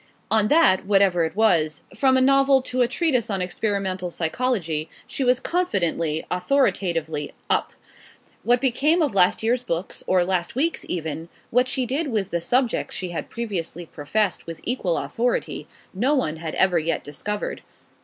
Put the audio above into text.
On that, whatever it was, from a novel to a treatise on experimental psychology, she was confidently, authoritatively "up." What became of last year's books, or last week's even; what she did with the "subjects" she had previously professed with equal authority; no one had ever yet discovered.